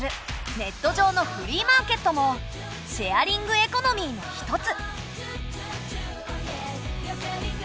ネット上のフリーマーケットもシェアリングエコノミーのひとつ。